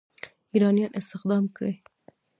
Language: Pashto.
ایرانیان استخدام کړي.